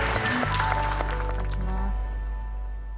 いただきます。